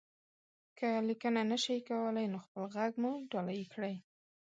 که ليکنه نشئ کولی، نو خپل غږ مو ډالۍ کړئ.